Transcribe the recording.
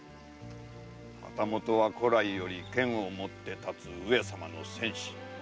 旗本は古来より剣を以って立つ上様の戦士。